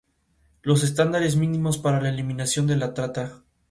Los estándares mínimos para la eliminación de la trata.